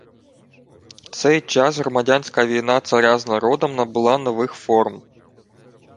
В цей час громадянська війна царя з народом набула нових форм